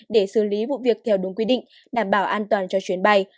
để xử lý vụ việc theo đúng quy định đảm bảo an toàn cho chuyến bay